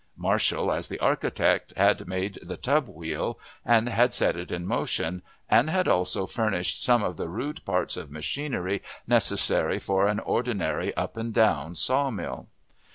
Marshall, as the architect, had made the "tub wheel," and had set it in motion, and had also furnished some of the rude parts of machinery necessary for an ordinary up and down saw mill.